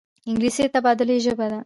انګلیسي د تبادلې ژبه ده